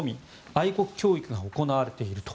愛国教育が行われていると。